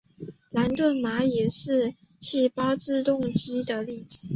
兰顿蚂蚁是细胞自动机的例子。